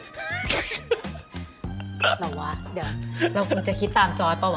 เหรอวะเดี๋ยวเราควรจะคิดตามจอร์ดเปล่าว